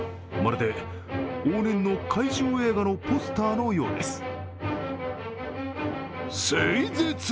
まるで往年の怪獣映画のポスターのようです。